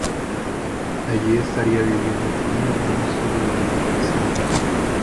Allí estaría viviendo con un hermano suyo durante tres años.